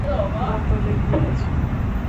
বোতলে কী আছে?